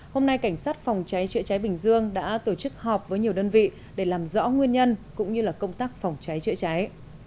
hôm nay cảnh sát phòng cháy chữa cháy bình dương đã tổ chức họp với nhiều đơn vị để làm rõ nguyên nhân cũng như công tác phòng cháy chữa cháy